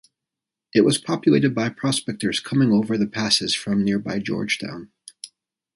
It was populated by prospectors coming over the passes from nearby Georgetown.